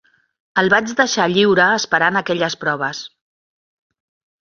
El vaig deixar lliure esperant aquelles proves.